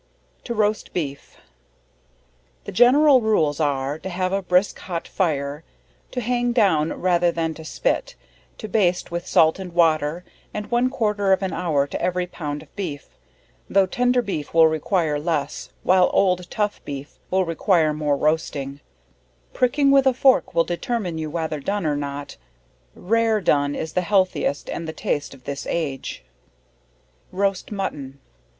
_ To Roast Beef. The general rules are, to have a brisk hot fire, to hang down rather than to spit, to baste with salt and water, and one quarter of an hour to every pound of beef, tho' tender beef will require less, while old tough beef will require more roasting; pricking with a fork will determine you whether done or not; rare done is the healthiest and the taste of this age. _Roast Mutton.